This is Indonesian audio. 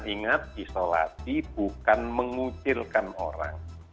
ingat isolasi bukan mengucilkan orang